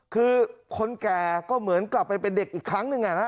คือคนแก่ก็เหมือนกลับไปเป็นเด็กอีกครั้งหนึ่งนะ